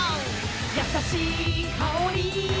「やさしいかおり」「」